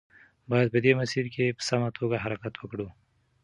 باید په دې مسیر کې په سمه توګه حرکت وکړو.